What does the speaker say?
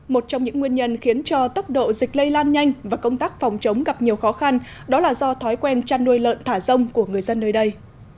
một trong những nguyên nhân khiến cho tốc độ dịch lây lan nhanh và công tác phòng chống gặp nhiều khó khăn đó là do thói quen chăn nuôi lợn thả rông của người dân nơi đây